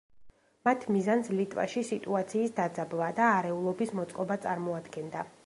მათ მიზანს ლიტვაში სიტუაციის დაძაბვა და არეულობის მოწყობა წარმოადგენდა.